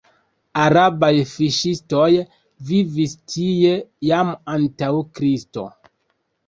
Arabaj fiŝistoj vivis tie jam antaŭ Kristo.